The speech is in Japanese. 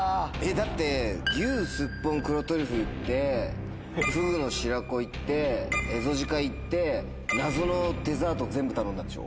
だって、牛、すっぽん黒トリュフいって、フグの白子いって、蝦夷鹿いって、謎のデザート全部頼んだでしょ。